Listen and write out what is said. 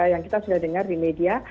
yang kita sudah dengar di media